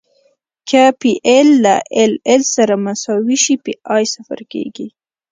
که پی ایل له ایل ایل سره مساوي شي پی ای صفر کیږي